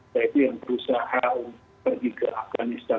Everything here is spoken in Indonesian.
yaitu yang berusaha pergi ke afghanistan